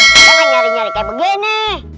kita gak nyari nyari kayak begini